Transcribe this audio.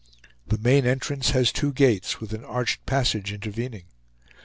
The main entrance has two gates, with an arched passage intervening.